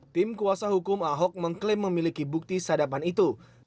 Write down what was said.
tim kuasa hukum ahok mengklaim memiliki bukti sadapan itu